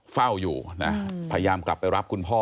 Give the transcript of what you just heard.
เฝ้าอยู่นะพยายามกลับไปรับคุณพ่อ